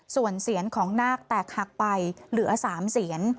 ส่วนเสียนของนาคแตกหักไปเหลือ๓เสียน